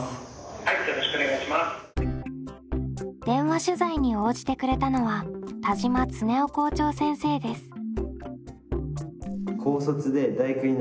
電話取材に応じてくれたのは田島常夫校長先生です。